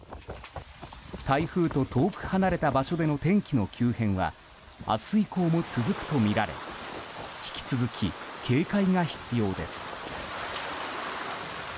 台風と遠く離れた場所での天気の急変は明日以降も続くとみられ引き続き警戒が必要です。